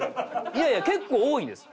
いやいや結構多いです。